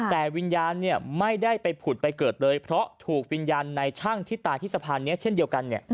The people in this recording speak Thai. แต่วิญญาณไม่ได้ไปผุดไปเกิดเลยเพราะถูกวิญญาณในช่างที่ตายที่สะพานนี้เช่นเดียวกัน